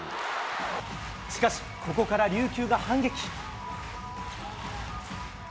しかし、ここから琉球が反撃。